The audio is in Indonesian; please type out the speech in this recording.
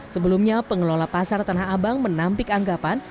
sebelumnya pengelola pasar tanah abang menampik anggapan